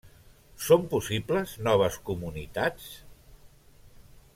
Són possibles noves comunitats?